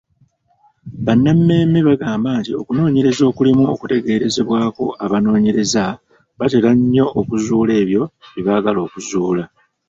Bannammeeme bagamba nti okunoonyereza okulimu okugerezebwako abanoonyereza batera nnyo okuzuula ebyo bye baagala okuzuula.